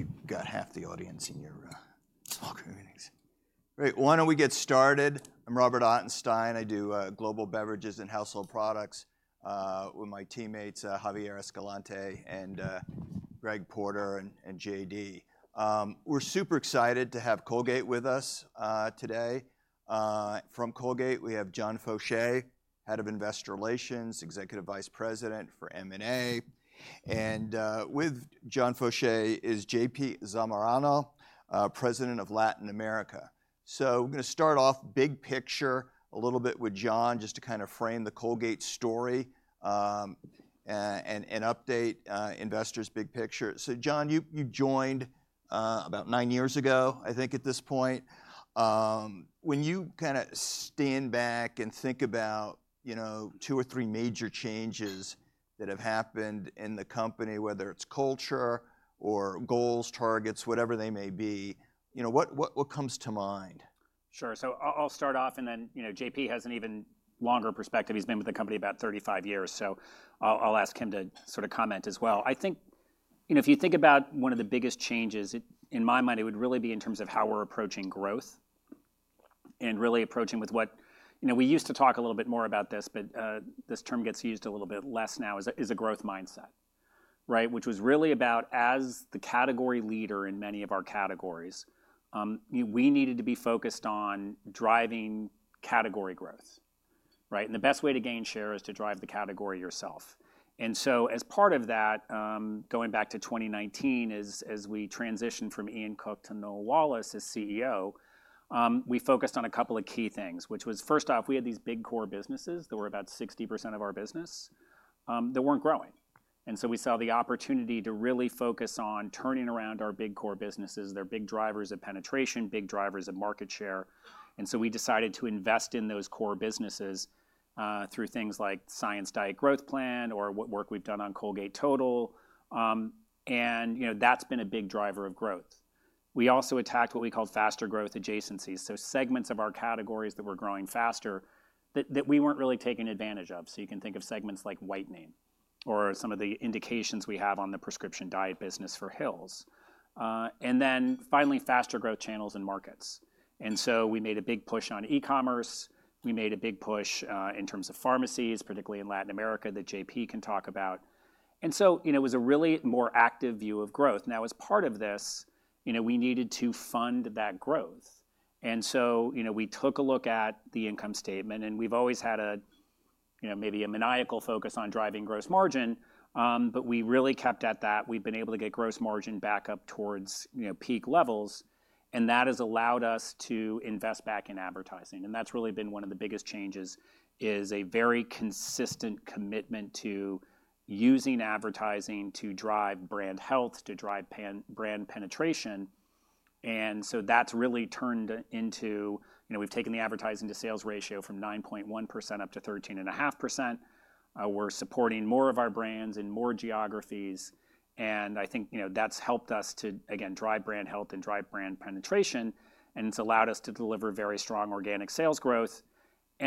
You've got half the audience in your [communities]. All right, why don't we get started? I'm Robert Ottenstein. I do global beverages and household products with my teammates, Javier Escalante, and Greg Porter, and [JD]. We're super excited to have Colgate with us today. From Colgate, we have John Faucher, Head of Investor Relations, Executive Vice President for M&A. And with John Faucher is JP Zamorano, President of Latin America. We're going to start off big picture a little bit with John, just to kind of frame the Colgate story and update investors' big picture. John, you joined about nine years ago, I think at this point. When you kind of stand back and think about two or three major changes that have happened in the company, whether it's culture or goals, targets, whatever they may be, what comes to mind? Sure. I'll start off, and then JP has an even longer perspective. He's been with the company about 35 years. I'll ask him to sort of comment as well. I think if you think about one of the biggest changes, in my mind, it would really be in terms of how we're approaching growth and really approaching with what we used to talk a little bit more about this, but this term gets used a little bit less now, is a growth mindset, which was really about, as the category leader in many of our categories, we needed to be focused on driving category growth. The best way to gain share is to drive the category yourself. As part of that, going back to 2019, as we transitioned from Ian Cook to Noel Wallace as CEO, we focused on a couple of key things, which was, first off, we had these big core businesses that were about 60% of our business that were not growing. We saw the opportunity to really focus on turning around our big core businesses. They are big drivers of penetration, big drivers of market share. We decided to invest in those core businesses through things like Science Diet Growth Plan or what work we have done on Colgate Total. That has been a big driver of growth. We also attacked what we called faster growth adjacencies, segments of our categories that were growing faster that we were not really taking advantage of. You can think of segments like whitening or some of the indications we have on the prescription diet business for Hill's. Finally, faster growth channels and markets. We made a big push on e-commerce. We made a big push in terms of pharmacies, particularly in Latin America, that JP can talk about. It was a really more active view of growth. Now, as part of this, we needed to fund that growth. We took a look at the income statement, and we've always had maybe a maniacal focus on driving gross margin, but we really kept at that. We've been able to get gross margin back up towards peak levels, and that has allowed us to invest back in advertising. That has really been one of the biggest changes, a very consistent commitment to using advertising to drive brand health, to drive brand penetration. That has really turned into, we have taken the advertising to sales ratio from 9.1% up to 13.5%. We are supporting more of our brands in more geographies. I think that has helped us to, again, drive brand health and drive brand penetration. It has allowed us to deliver very strong organic sales growth.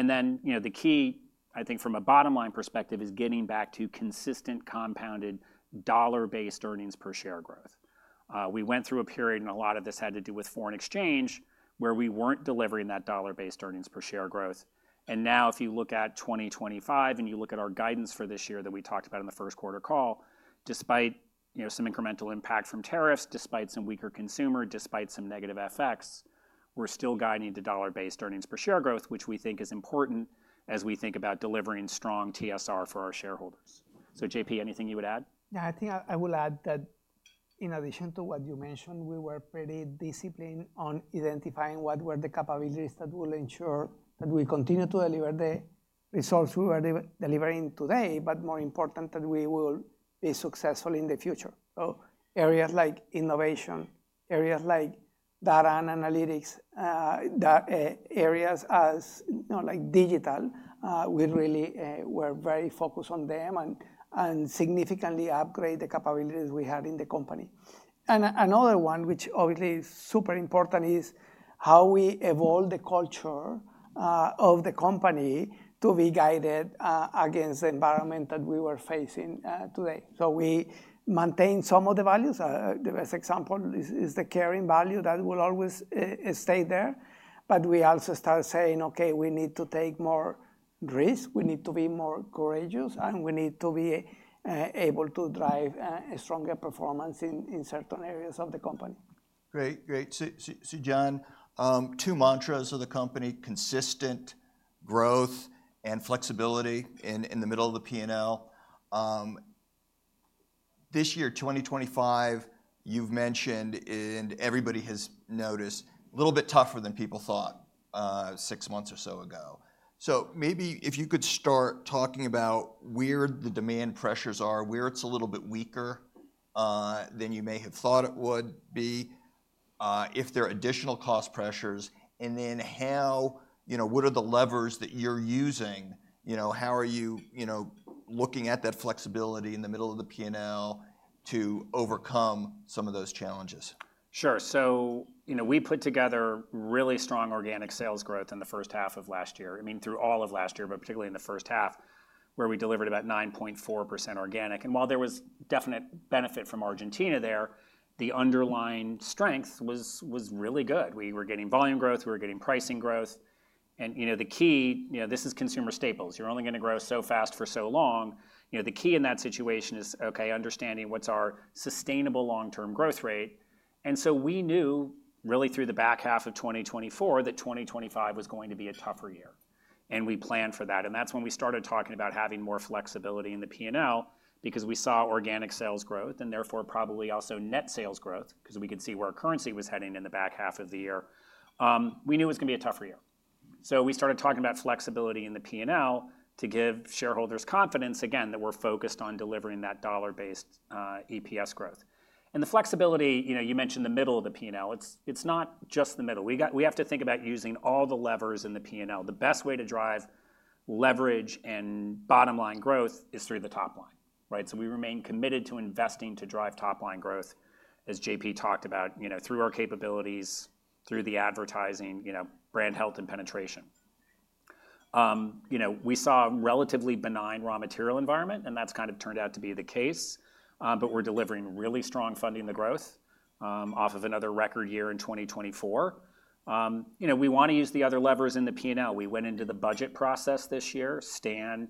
The key, I think from a bottom line perspective, is getting back to consistent compounded dollar-based earnings per share growth. We went through a period, and a lot of this had to do with foreign exchange, where we were not delivering that dollar-based earnings per share growth. If you look at 2025 and you look at our guidance for this year that we talked about in the first quarter call, despite some incremental impact from tariffs, despite some weaker consumer, despite some negative effects, we're still guiding to dollar-based earnings per share growth, which we think is important as we think about delivering strong TSR for our shareholders. JP, anything you would add? Yeah, I think I will add that in addition to what you mentioned, we were pretty disciplined on identifying what were the capabilities that will ensure that we continue to deliver the results we were delivering today, but more importantly, that we will be successful in the future. Areas like innovation, areas like data and analytics, areas like digital, we really were very focused on them and significantly upgraded the capabilities we had in the company. Another one, which obviously is super important, is how we evolve the culture of the company to be guided against the environment that we were facing today. We maintained some of the values. The best example is the caring value that will always stay there. We also started saying, OK, we need to take more risks. We need to be more courageous, and we need to be able to drive stronger performance in certain areas of the company. Great, great. John, two mantras of the company: consistent growth and flexibility in the middle of the P&L. This year, 2025, you have mentioned, and everybody has noticed, a little bit tougher than people thought six months or so ago. Maybe if you could start talking about where the demand pressures are, where it is a little bit weaker than you may have thought it would be, if there are additional cost pressures, and then what are the levers that you are using? How are you looking at that flexibility in the middle of the P&L to overcome some of those challenges? Sure. We put together really strong organic sales growth in the first half of last year, I mean, through all of last year, but particularly in the first half, where we delivered about 9.4% organic. While there was definite benefit from Argentina there, the underlying strength was really good. We were getting volume growth. We were getting pricing growth. The key, this is consumer staples. You're only going to grow so fast for so long. The key in that situation is, OK, understanding what's our sustainable long-term growth rate. We knew really through the back half of 2024 that 2025 was going to be a tougher year. We planned for that. That is when we started talking about having more flexibility in the P&L because we saw organic sales growth and therefore probably also net sales growth because we could see where our currency was heading in the back half of the year. We knew it was going to be a tougher year. We started talking about flexibility in the P&L to give shareholders confidence, again, that we are focused on delivering that dollar-based EPS growth. The flexibility, you mentioned the middle of the P&L. It is not just the middle. We have to think about using all the levers in the P&L. The best way to drive leverage and bottom line growth is through the top line. We remain committed to investing to drive top line growth, as JP talked about, through our capabilities, through the advertising, brand health, and penetration. We saw a relatively benign raw material environment, and that has kind of turned out to be the case. We are delivering really strong funding to growth off of another record year in 2024. We want to use the other levers in the P&L. We went into the budget process this year. Stan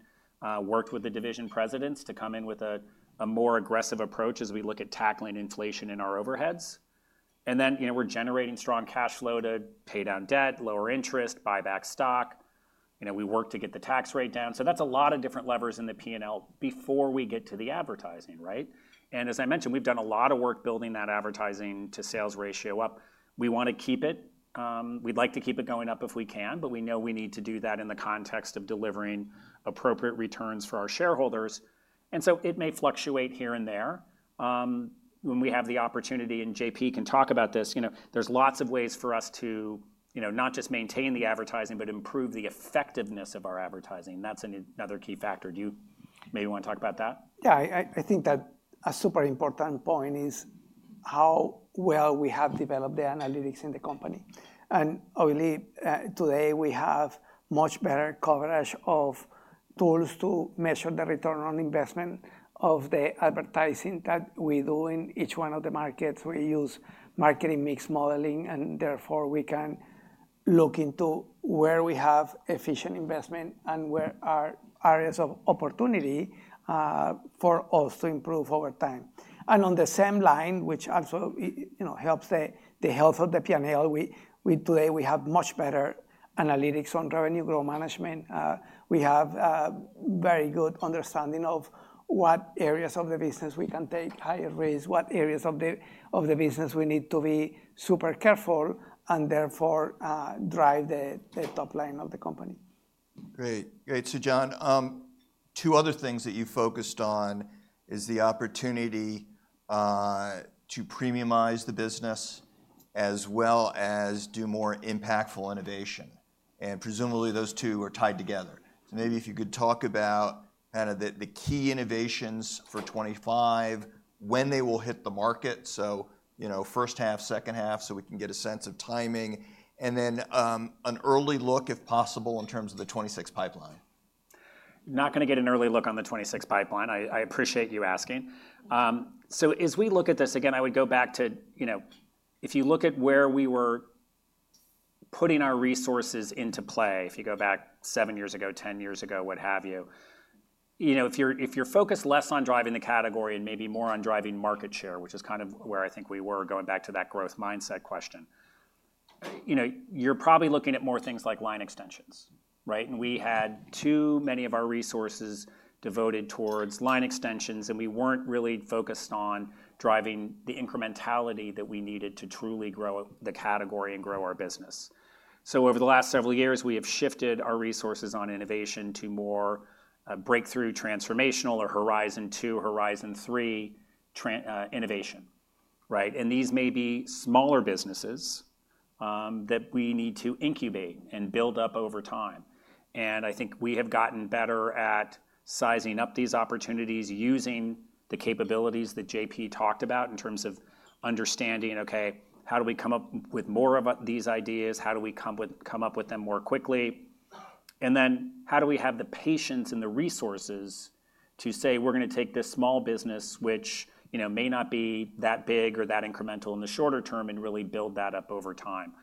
worked with the division presidents to come in with a more aggressive approach as we look at tackling inflation in our overheads. We are generating strong cash flow to pay down debt, lower interest, buy back stock. We work to get the tax rate down. That is a lot of different levers in the P&L before we get to the advertising. As I mentioned, we have done a lot of work building that advertising to sales ratio up. We want to keep it. We'd like to keep it going up if we can, but we know we need to do that in the context of delivering appropriate returns for our shareholders. It may fluctuate here and there when we have the opportunity. JP can talk about this. There are lots of ways for us to not just maintain the advertising, but improve the effectiveness of our advertising. That is another key factor. Do you maybe want to talk about that? Yeah, I think that a super important point is how well we have developed the analytics in the company. Obviously, today we have much better coverage of tools to measure the return on investment of the advertising that we do in each one of the markets. We use marketing mix modeling, therefore we can look into where we have efficient investment and where are areas of opportunity for us to improve over time. On the same line, which also helps the health of the P&L, today we have much better analytics on revenue growth management. We have a very good understanding of what areas of the business we can take higher risk, what areas of the business we need to be super careful, and therefore drive the top line of the company. Great, great. John, two other things that you focused on is the opportunity to premiumize the business as well as do more impactful innovation. Presumably those two are tied together. Maybe if you could talk about kind of the key innovations for 2025, when they will hit the market, so first half, second half, so we can get a sense of timing, and then an early look, if possible, in terms of the 2026 pipeline. Not going to get an early look on the 2026 pipeline. I appreciate you asking. As we look at this, again, I would go back to if you look at where we were putting our resources into play, if you go back seven years ago, 10 years ago, what have you, if you're focused less on driving the category and maybe more on driving market share, which is kind of where I think we were going back to that growth mindset question, you're probably looking at more things like line extensions. We had too many of our resources devoted towards line extensions, and we weren't really focused on driving the incrementality that we needed to truly grow the category and grow our business. Over the last several years, we have shifted our resources on innovation to more breakthrough transformational or horizon two, horizon three innovation. These may be smaller businesses that we need to incubate and build up over time. I think we have gotten better at sizing up these opportunities using the capabilities that JP talked about in terms of understanding, OK, how do we come up with more of these ideas? How do we come up with them more quickly? How do we have the patience and the resources to say, we're going to take this small business, which may not be that big or that incremental in the shorter term, and really build that up over time?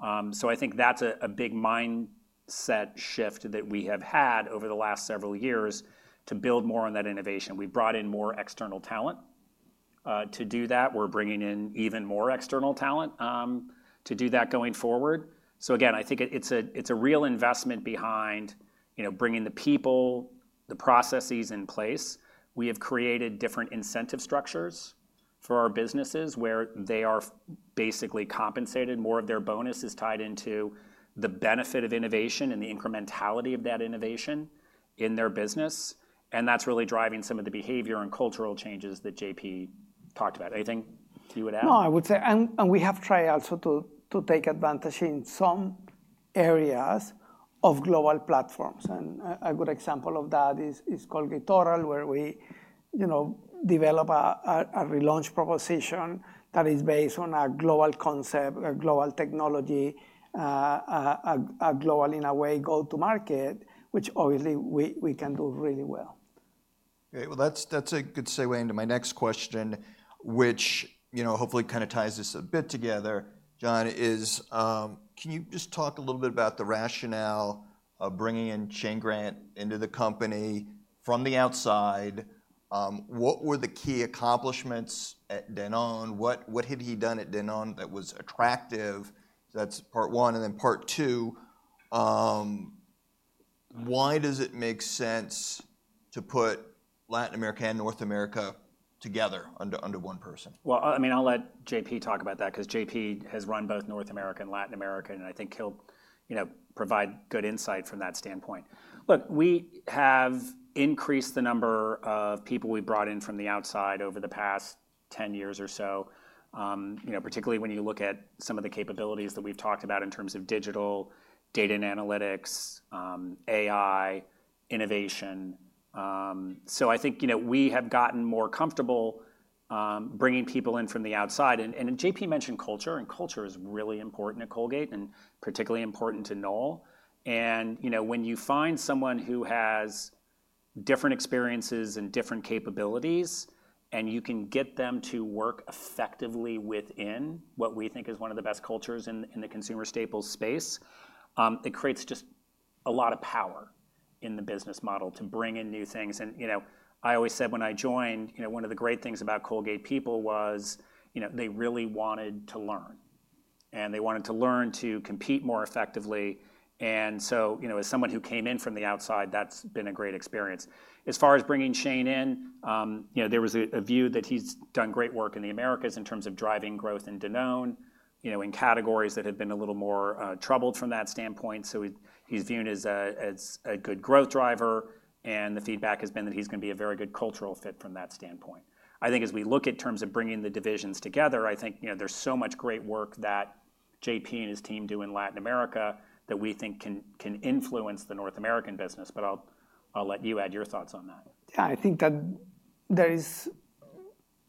I think that's a big mindset shift that we have had over the last several years to build more on that innovation. We brought in more external talent to do that. We're bringing in even more external talent to do that going forward. I think it's a real investment behind bringing the people, the processes in place. We have created different incentive structures for our businesses where they are basically compensated. More of their bonus is tied into the benefit of innovation and the incrementality of that innovation in their business. That's really driving some of the behavior and cultural changes that JP talked about. Anything you would add? No, I would say, and we have tried also to take advantage in some areas of global platforms. A good example of that is Colgate Total, where we develop a relaunch proposition that is based on a global concept, a global technology, a global, in a way, go-to-market, which obviously we can do really well. Great. That is a good segue into my next question, which hopefully kind of ties this a bit together. John, can you just talk a little bit about the rationale of bringing in Shane Grant into the company from the outside? What were the key accomplishments at Danone? What had he done at Danone that was attractive? That is part one. And then part two, why does it make sense to put Latin America and North America together under one person? I mean, I'll let JP talk about that because JP has run both North America and Latin America, and I think he'll provide good insight from that standpoint. Look, we have increased the number of people we brought in from the outside over the past 10 years or so, particularly when you look at some of the capabilities that we've talked about in terms of digital, data and analytics, AI, innovation. I think we have gotten more comfortable bringing people in from the outside. JP mentioned culture, and culture is really important at Colgate and particularly important to Noel. When you find someone who has different experiences and different capabilities, and you can get them to work effectively within what we think is one of the best cultures in the consumer staples space, it creates just a lot of power in the business model to bring in new things. I always said when I joined, one of the great things about Colgate people was they really wanted to learn. They wanted to learn to compete more effectively. As someone who came in from the outside, that's been a great experience. As far as bringing Shane in, there was a view that he's done great work in the Americas in terms of driving growth in Danone in categories that have been a little more troubled from that standpoint. He's viewed as a good growth driver. The feedback has been that he's going to be a very good cultural fit from that standpoint. I think as we look at terms of bringing the divisions together, I think there's so much great work that JP and his team do in Latin America that we think can influence the North American business. I'll let you add your thoughts on that. Yeah, I think that there is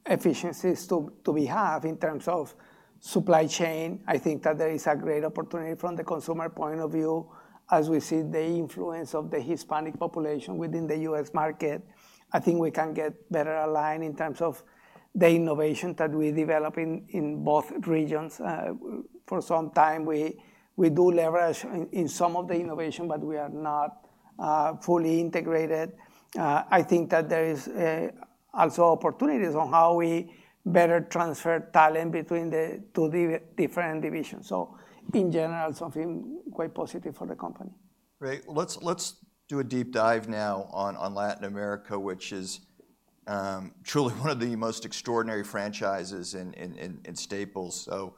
efficiencies to be had in terms of supply chain. I think that there is a great opportunity from the consumer point of view as we see the influence of the Hispanic population within the U.S. market. I think we can get better aligned in terms of the innovation that we develop in both regions. For some time, we do leverage in some of the innovation, but we are not fully integrated. I think that there are also opportunities on how we better transfer talent between the two different divisions. In general, something quite positive for the company. Great. Let's do a deep dive now on Latin America, which is truly one of the most extraordinary franchises in staples. So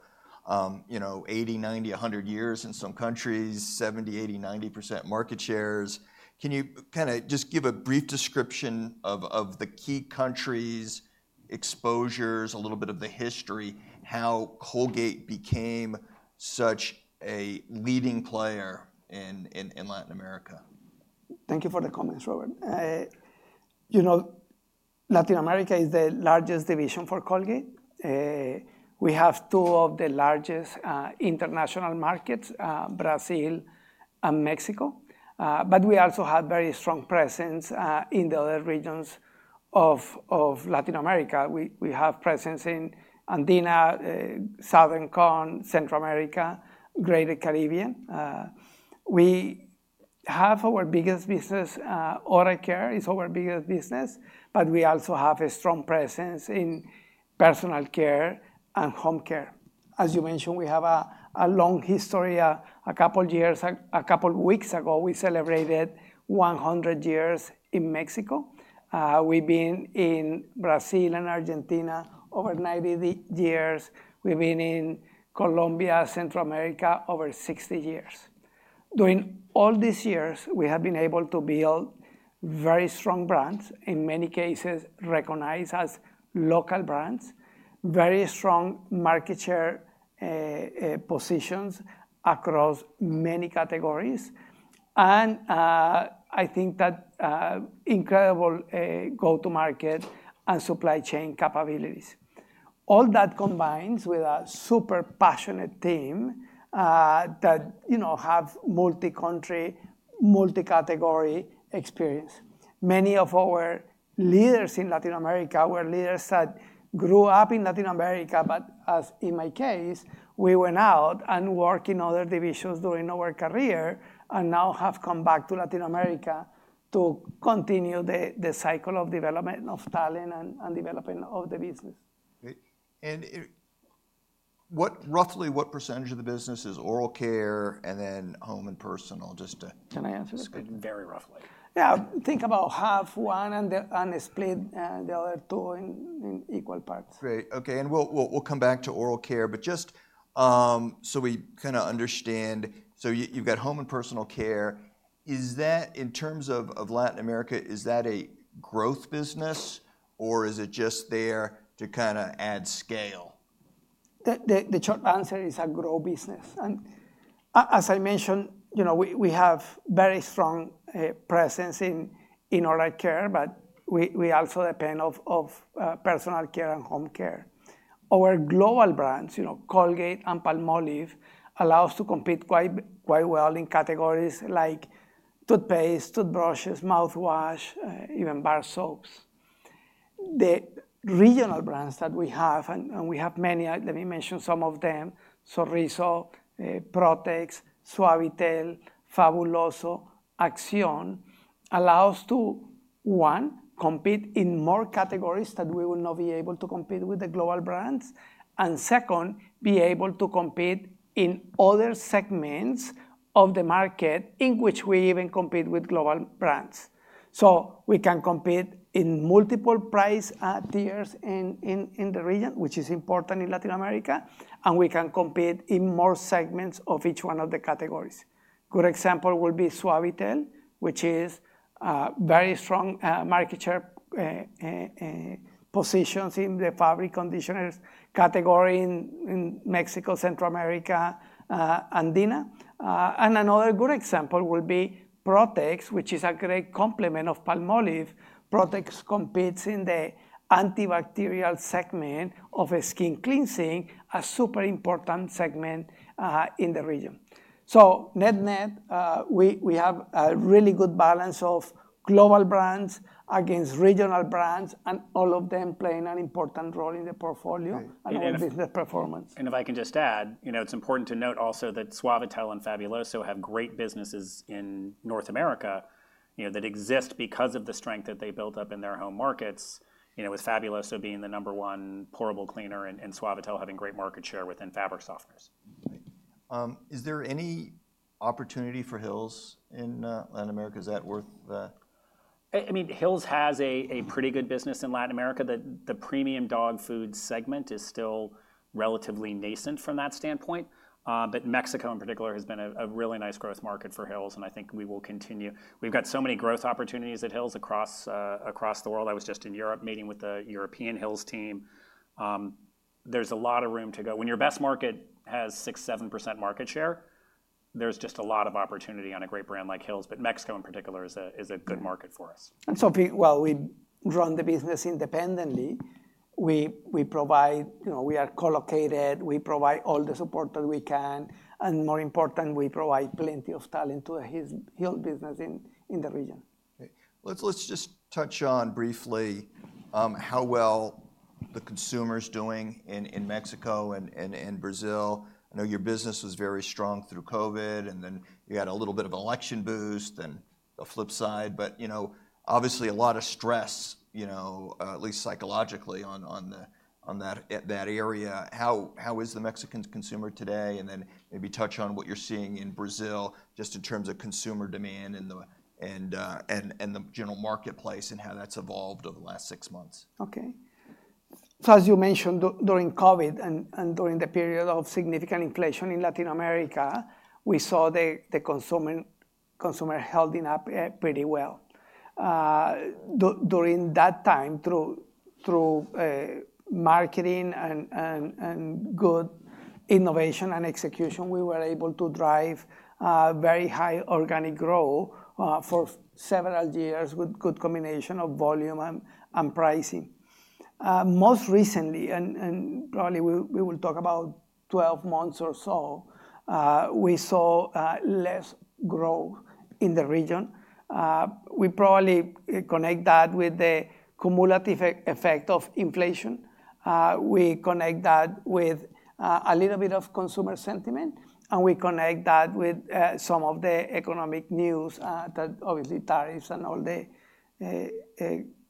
80, 90, 100 years in some countries, 70, 80, 90% market shares. Can you kind of just give a brief description of the key countries, exposures, a little bit of the history, how Colgate became such a leading player in Latin America? Thank you for the comments, Robert. Latin America is the largest division for Colgate. We have two of the largest international markets, Brazil and Mexico. We also have a very strong presence in the other regions of Latin America. We have presence in Andean, Southern Cone, Central America, Greater Caribbean. We have our biggest business. Oral care is our biggest business. We also have a strong presence in personal care and home care. As you mentioned, we have a long history. A couple of weeks ago, we celebrated 100 years in Mexico. We have been in Brazil and Argentina over 90 years. We have been in Colombia, Central America over 60 years. During all these years, we have been able to build very strong brands, in many cases recognized as local brands, very strong market share positions across many categories. I think that incredible go-to-market and supply chain capabilities. All that combines with a super passionate team that have multi-country, multi-category experience. Many of our leaders in Latin America were leaders that grew up in Latin America. As in my case, we went out and worked in other divisions during our career and now have come back to Latin America to continue the cycle of development of talent and development of the business. Roughly what percentage of the business is oral care and then home and personal? Can I answer this question? Very roughly. Yeah, think about half one and split the other two in equal parts. Great. OK. We'll come back to oral care. Just so we kind of understand, you've got home and personal care. In terms of Latin America, is that a growth business, or is it just there to kind of add scale? The short answer is a grow business. As I mentioned, we have a very strong presence in oral care, but we also depend on personal care and home care. Our global brands, Colgate and Palmolive, allow us to compete quite well in categories like toothpaste, toothbrushes, mouthwash, even bar soaps. The regional brands that we have, and we have many, let me mention some of them, Sorriso, Protex, Suavitel, Fabuloso, Action, allow us to, one, compete in more categories that we will not be able to compete with the global brands. Second, be able to compete in other segments of the market in which we even compete with global brands. We can compete in multiple price tiers in the region, which is important in Latin America. We can compete in more segments of each one of the categories. A good example will be Suavitel, which is a very strong market share position in the fabric conditioners category in Mexico, Central America, Andina. Another good example will be Protex, which is a great complement of Palmolive. Protex competes in the antibacterial segment of skin cleansing, a super important segment in the region. Net net, we have a really good balance of global brands against regional brands, and all of them playing an important role in the portfolio and our business performance. It is important to note also that Suavitel and Fabuloso have great businesses in North America that exist because of the strength that they built up in their home markets, with Fabuloso being the number one portable cleaner and Suavitel having great market share within fabric softeners. Is there any opportunity for Hill's in Latin America? Is that worth? I mean, Hill's has a pretty good business in Latin America. The premium dog food segment is still relatively nascent from that standpoint. Mexico, in particular, has been a really nice growth market for Hill's. I think we will continue. We've got so many growth opportunities at Hill's across the world. I was just in Europe meeting with the European Hill's team. There's a lot of room to go. When your best market has 6%-7% market share, there's just a lot of opportunity on a great brand like Hill's. Mexico, in particular, is a good market for us. We run the business independently. We are co-located. We provide all the support that we can. More important, we provide plenty of talent to the Hill's business in the region. Let's just touch on briefly how well the consumer is doing in Mexico and Brazil. I know your business was very strong through COVID. You had a little bit of election boost and the flip side. Obviously, a lot of stress, at least psychologically, on that area. How is the Mexican consumer today? Maybe touch on what you're seeing in Brazil just in terms of consumer demand and the general marketplace and how that's evolved over the last six months. OK. As you mentioned, during COVID and during the period of significant inflation in Latin America, we saw the consumer holding up pretty well. During that time, through marketing and good innovation and execution, we were able to drive very high organic growth for several years with a good combination of volume and pricing. Most recently, and probably we will talk about 12 months or so, we saw less growth in the region. We probably connect that with the cumulative effect of inflation. We connect that with a little bit of consumer sentiment. We connect that with some of the economic news, obviously tariffs and all the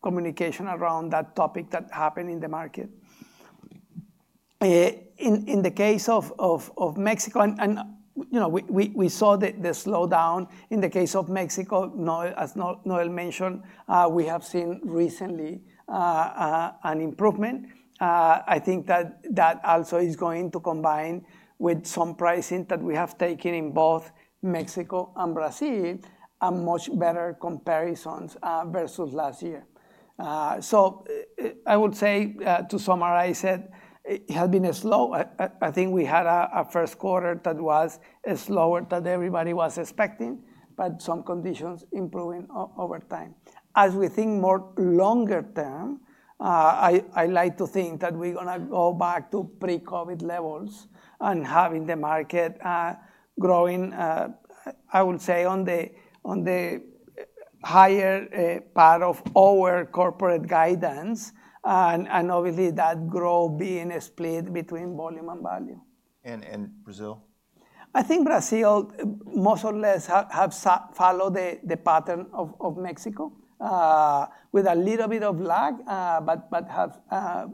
communication around that topic that happened in the market. In the case of Mexico, we saw the slowdown. In the case of Mexico, as Noel mentioned, we have seen recently an improvement. I think that also is going to combine with some pricing that we have taken in both Mexico and Brazil, and much better comparisons versus last year. I would say, to summarize it, it has been slow. I think we had a first quarter that was slower than everybody was expecting, but some conditions improving over time. As we think more longer term, I like to think that we're going to go back to pre-COVID levels and having the market growing, I would say, on the higher part of our corporate guidance. Obviously, that growth being split between volume and value. And Brazil? I think Brazil more or less has followed the pattern of Mexico with a little bit of lag, but has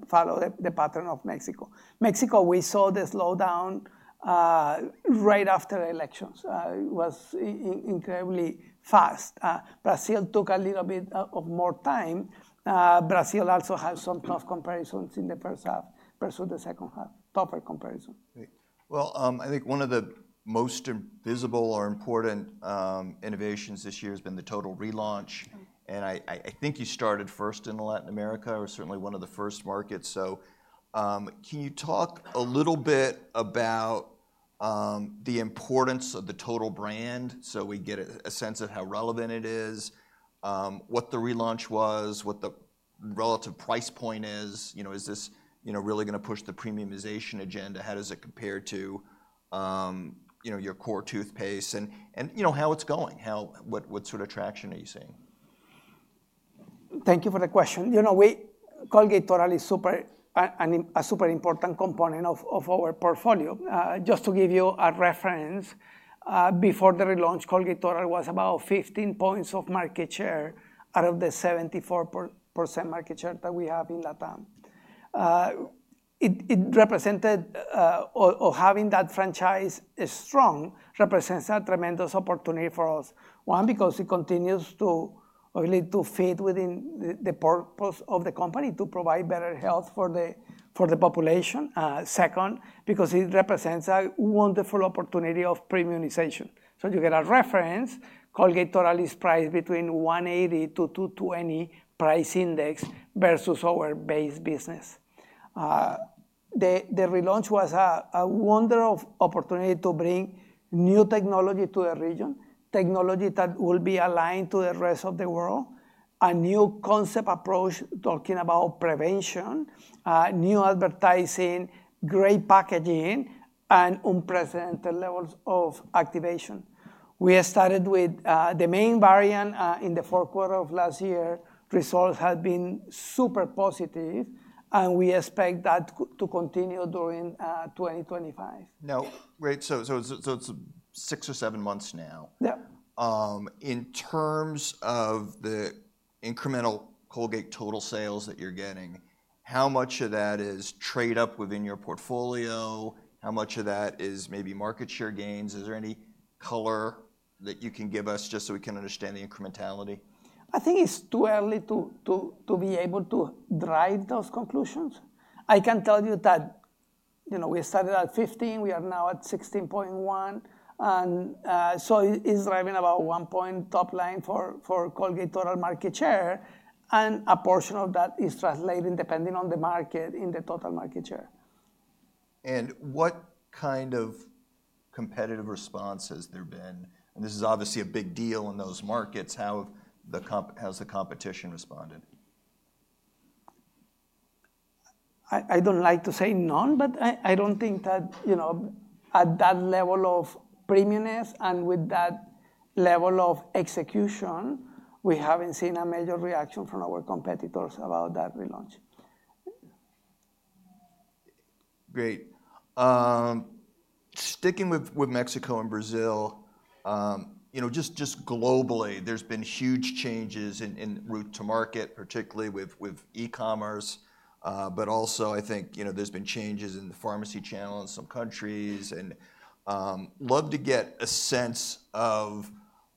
followed the pattern of Mexico. Mexico, we saw the slowdown right after elections. It was incredibly fast. Brazil took a little bit more time. Brazil also has some tough comparisons in the first half versus the second half, tougher comparisons. I think one of the most visible or important innovations this year has been the Total relaunch. I think you started first in Latin America, or certainly one of the first markets. Can you talk a little bit about the importance of the Total brand so we get a sense of how relevant it is, what the relaunch was, what the relative price point is? Is this really going to push the premiumization agenda? How does it compare to your core toothpaste? How is it going? What sort of traction are you seeing? Thank you for the question. Colgate Total is a super important component of our portfolio. Just to give you a reference, before the relaunch, Colgate Total was about 15 percentage points of market share out of the 74% market share that we have in LatAm. It represented, or having that franchise strong, represents a tremendous opportunity for us. One, because it continues to really fit within the purpose of the company to provide better health for the population. Second, because it represents a wonderful opportunity of premiumization. So you get a reference, Colgate Total is priced between 180-220 price index versus our base business. The relaunch was a wonder of opportunity to bring new technology to the region, technology that will be aligned to the rest of the world, a new concept approach talking about prevention, new advertising, great packaging, and unprecedented levels of activation. We started with the main variant in the fourth quarter of last year. Results have been super positive. We expect that to continue during 2025. Now, great. So it's six or seven months now. Yeah. In terms of the incremental Colgate Total sales that you're getting, how much of that is trade up within your portfolio? How much of that is maybe market share gains? Is there any color that you can give us just so we can understand the incrementality? I think it's too early to be able to drive those conclusions. I can tell you that we started at 15. We are now at 16.1. It is driving about one point top line for Colgate Total market share. A portion of that is translated, depending on the market, in the total market share. What kind of competitive response has there been? This is obviously a big deal in those markets. How has the competition responded? I do not like to say none. But I do not think that at that level of premiumness and with that level of execution, we have not seen a major reaction from our competitors about that relaunch. Great. Sticking with Mexico and Brazil, just globally, there's been huge changes in route to market, particularly with e-commerce. Also, I think there's been changes in the pharmacy channel in some countries. I'd love to get a sense of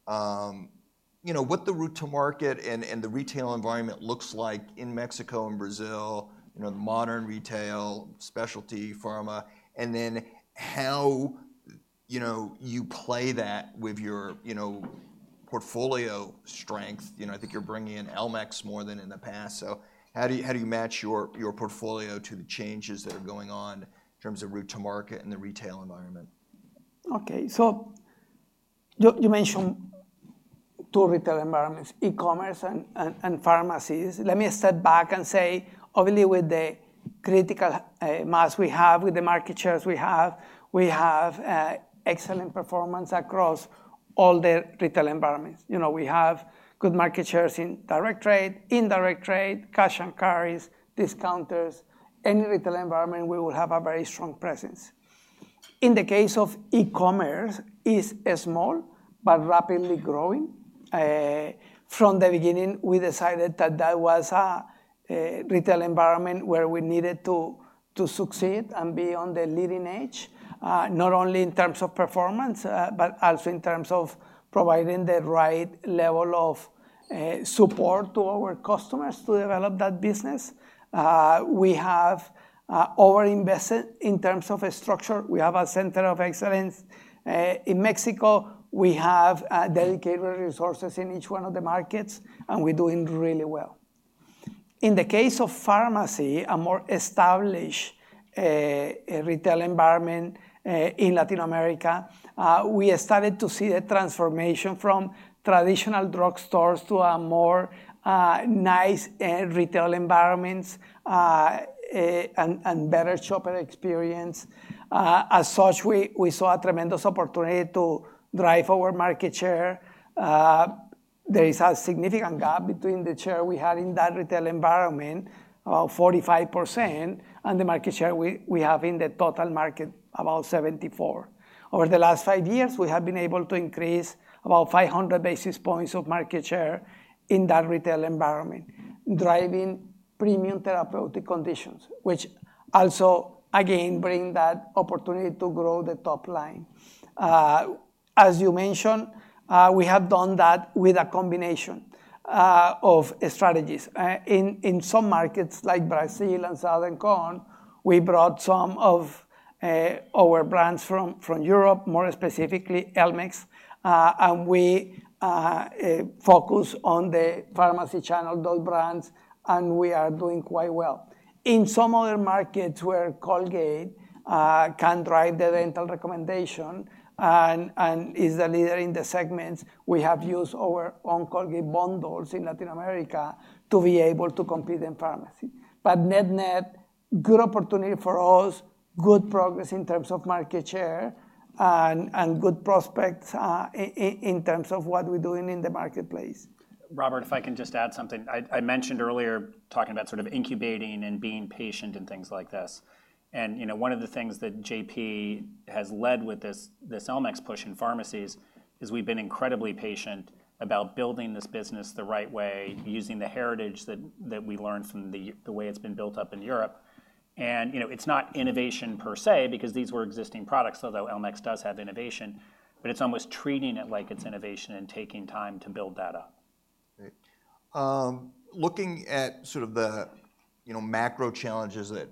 what the route to market and the retail environment looks like in Mexico and Brazil, the modern retail, specialty, pharma, and then how you play that with your portfolio strength. I think you're bringing in Elmex more than in the past. How do you match your portfolio to the changes that are going on in terms of route to market and the retail environment? OK. You mentioned two retail environments, e-commerce and pharmacies. Let me step back and say, obviously, with the critical mass we have, with the market shares we have, we have excellent performance across all the retail environments. We have good market shares in direct trade, indirect trade, cash and carries, discounters. Any retail environment, we will have a very strong presence. In the case of e-commerce, it is small but rapidly growing. From the beginning, we decided that that was a retail environment where we needed to succeed and be on the leading edge, not only in terms of performance, but also in terms of providing the right level of support to our customers to develop that business. We have over-invested in terms of structure. We have a center of excellence in Mexico. We have dedicated resources in each one of the markets. We are doing really well. In the case of pharmacy, a more established retail environment in Latin America, we started to see the transformation from traditional drugstores to more nice retail environments and better shopper experience. As such, we saw a tremendous opportunity to drive our market share. There is a significant gap between the share we had in that retail environment, about 45%, and the market share we have in the total market, about 74%. Over the last five years, we have been able to increase about 500 basis points of market share in that retail environment, driving premium therapeutic conditions, which also, again, bring that opportunity to grow the top line. As you mentioned, we have done that with a combination of strategies. In some markets like Brazil and Southern Cone, we brought some of our brands from Europe, more specifically Elmex. And we focus on the pharmacy channel, those brands. We are doing quite well. In some other markets where Colgate can drive the dental recommendation and is the leader in the segments, we have used our own Colgate bundles in Latin America to be able to compete in pharmacy. Net net, good opportunity for us, good progress in terms of market share, and good prospects in terms of what we are doing in the marketplace. Robert, if I can just add something. I mentioned earlier, talking about sort of incubating and being patient and things like this. One of the things that JP has led with this Elmex push in pharmacies is we've been incredibly patient about building this business the right way, using the heritage that we learned from the way it's been built up in Europe. It's not innovation per se, because these were existing products, although Elmex does have innovation. It's almost treating it like it's innovation and taking time to build that up. Looking at sort of the macro challenges that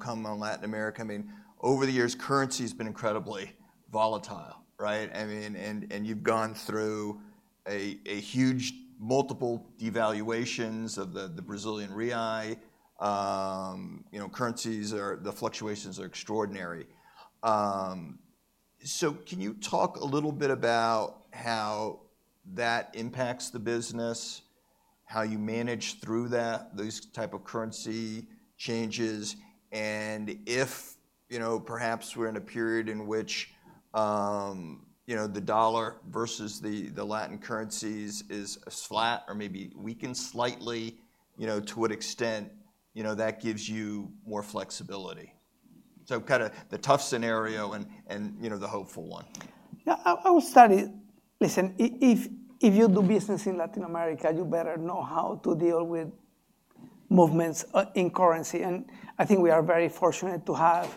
come on Latin America, I mean, over the years, currency has been incredibly volatile. And you've gone through a huge multiple devaluations of the Brazilian real. Currencies, the fluctuations are extraordinary. Can you talk a little bit about how that impacts the business, how you manage through those type of currency changes? If perhaps we're in a period in which the dollar versus the Latin currencies is flat or maybe weakened slightly, to what extent that gives you more flexibility? Kind of the tough scenario and the hopeful one. Yeah, I would study. Listen, if you do business in Latin America, you better know how to deal with movements in currency. I think we are very fortunate to have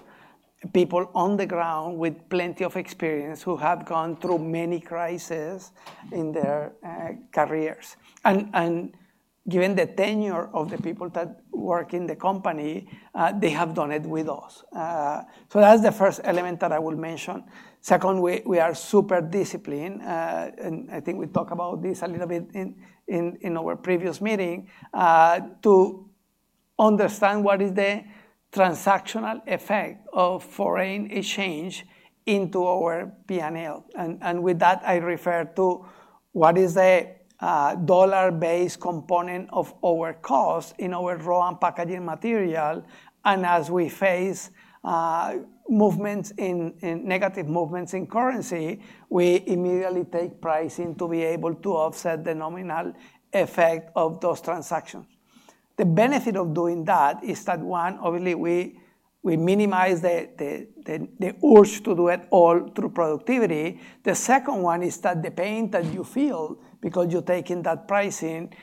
people on the ground with plenty of experience who have gone through many crises in their careers. Given the tenure of the people that work in the company, they have done it with us. That is the first element that I will mention. Second, we are super disciplined. I think we talked about this a little bit in our previous meeting, to understand what is the transactional effect of foreign exchange into our P&L. With that, I refer to what is the dollar-based component of our cost in our raw and packaging material. As we face negative movements in currency, we immediately take pricing to be able to offset the nominal effect of those transactions. The benefit of doing that is that, one, obviously, we minimize the urge to do it all through productivity. The second one is that the pain that you feel because you're taking that pricing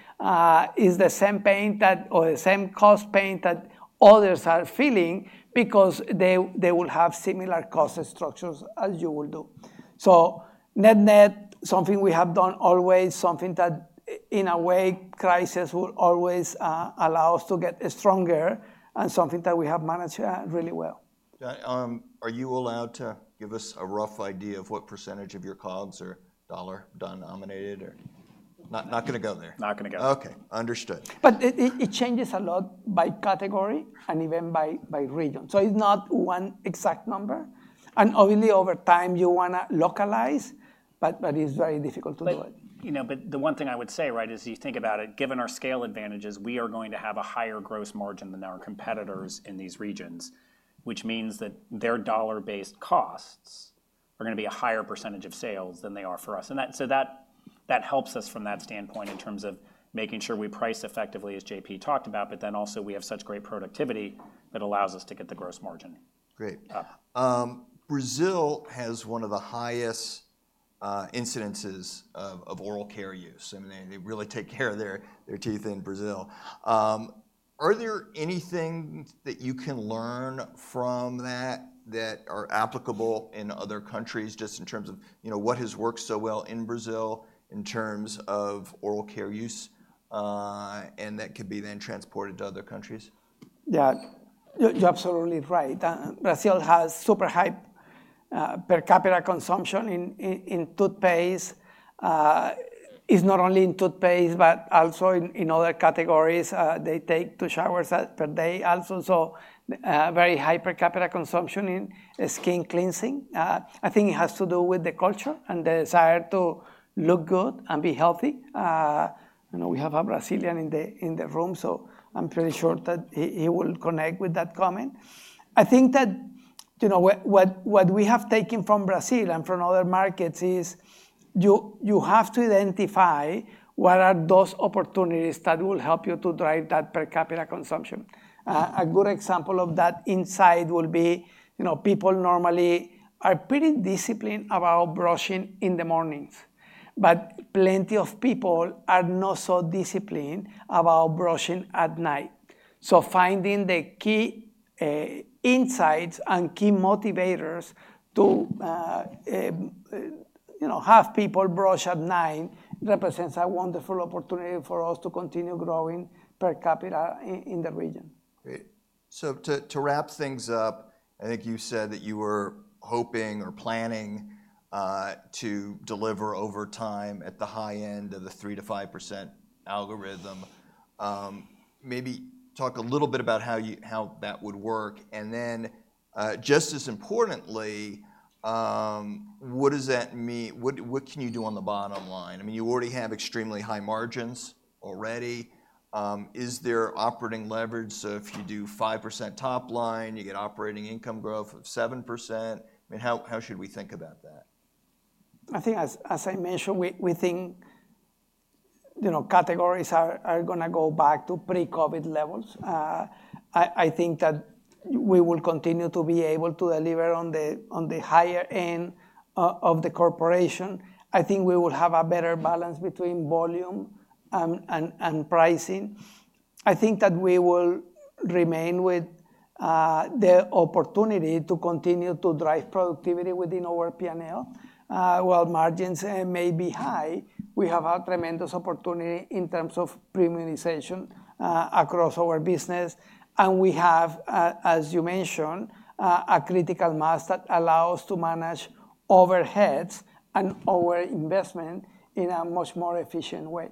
is the same pain or the same cost pain that others are feeling because they will have similar cost structures as you will do. Net net, something we have done always, something that in a way crisis will always allow us to get stronger, and something that we have managed really well. Are you allowed to give us a rough idea of what percentage of your COGS are dollar denominated? Not going to go there. Not going to go. OK, understood. It changes a lot by category and even by region. It is not one exact number. Obviously, over time, you want to localize. It is very difficult to do it. The one thing I would say, right, is you think about it. Given our scale advantages, we are going to have a higher gross margin than our competitors in these regions, which means that their dollar-based costs are going to be a higher percentage of sales than they are for us. That helps us from that standpoint in terms of making sure we price effectively, as JP talked about. We have such great productivity that allows us to get the gross margin. Great. Brazil has one of the highest incidences of oral care use. I mean, they really take care of their teeth in Brazil. Are there anything that you can learn from that that are applicable in other countries, just in terms of what has worked so well in Brazil in terms of oral care use? That could be then transported to other countries. Yeah, you're absolutely right. Brazil has super high per capita consumption in toothpaste. It's not only in toothpaste, but also in other categories. They take two showers per day also. Very high per capita consumption in skin cleansing. I think it has to do with the culture and the desire to look good and be healthy. I know we have a Brazilian in the room. I'm pretty sure that he will connect with that comment. I think that what we have taken from Brazil and from other markets is you have to identify what are those opportunities that will help you to drive that per capita consumption. A good example of that insight will be people normally are pretty disciplined about brushing in the mornings. Plenty of people are not so disciplined about brushing at night. Finding the key insights and key motivators to have people brush at night represents a wonderful opportunity for us to continue growing per capita in the region. Great. To wrap things up, I think you said that you were hoping or planning to deliver over time at the high end of the 3%-5% algorithm. Maybe talk a little bit about how that would work. And then just as importantly, what does that mean? What can you do on the bottom line? I mean, you already have extremely high margins already. Is there operating leverage? So if you do 5% top line, you get operating income growth of 7%. I mean, how should we think about that? I think, as I mentioned, we think categories are going to go back to pre-COVID levels. I think that we will continue to be able to deliver on the higher end of the corporation. I think we will have a better balance between volume and pricing. I think that we will remain with the opportunity to continue to drive productivity within our P&L. While margins may be high, we have a tremendous opportunity in terms of premiumization across our business. We have, as you mentioned, a critical mass that allows us to manage overheads and our investment in a much more efficient way.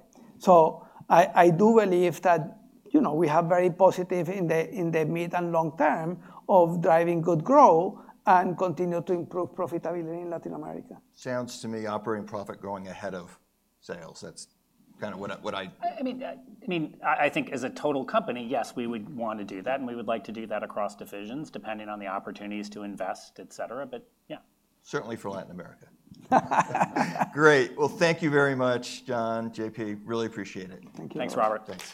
I do believe that we have very positive in the mid and long term of driving good growth and continue to improve profitability in Latin America. Sounds to me operating profit going ahead of sales. That's kind of what I. I mean, I think as a total company, yes, we would want to do that. We would like to do that across divisions, depending on the opportunities to invest, et cetera. Yeah. Certainly for Latin America. Great. Thank you very much, John, JP. Really appreciate it. Thank you. Thanks, Robert. Thanks.